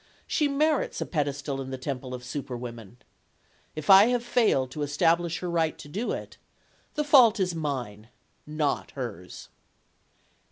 She merits a pedestal in the temple of superwomen. If I have failed to establish her right to it, the fault is mine, not hers.